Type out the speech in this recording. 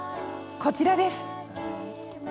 こちらです。